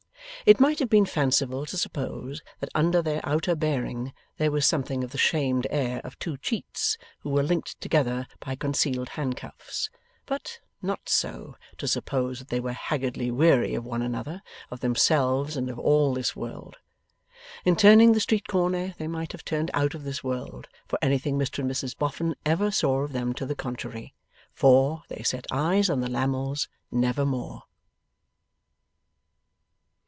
It might have been fanciful to suppose that under their outer bearing there was something of the shamed air of two cheats who were linked together by concealed handcuffs; but, not so, to suppose that they were haggardly weary of one another, of themselves, and of all this world. In turning the street corner they might have turned out of this world, for anything Mr and Mrs Boffin ever saw of them to the contrary; for, they set eyes on the Lammles never more.